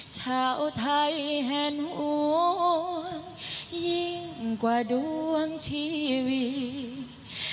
ชาวไทยเห็นห่วงยิ่งกว่าดวงชีวิต